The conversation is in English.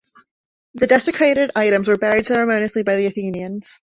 The desecrated items were buried ceremoniously by the Athenians.